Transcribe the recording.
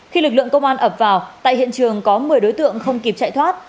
khi lực lượng công an ập vào tại hiện trường có một mươi đối tượng không kịp chạy thoát